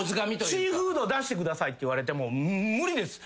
シーフード出してくださいって言われても無理です。